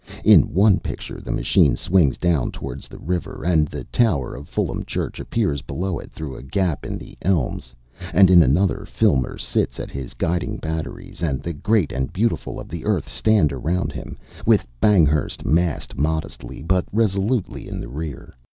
In one picture the machine swings down towards the river, and the tower of Fulham church appears below it through a gap in the elms, and in another, Filmer sits at his guiding batteries, and the great and beautiful of the earth stand around him, with Banghurst massed modestly but resolutely in the rear.